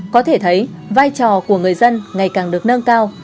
có thể thấy vai trò của người dân ngày càng được nâng cao